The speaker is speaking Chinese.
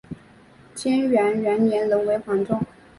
干元元年仍为黄州。